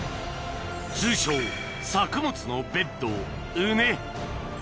通称作物のベッド